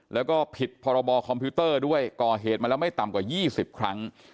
แล้วก็ผิดพรบคอมพิวเตอร์ด้วยก่อเหตุมาแล้วไม่ต่ำกว่า๒๐ครั้ง